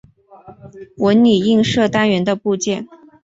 纹理映射单元的部件。